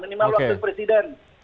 menimah waktu presiden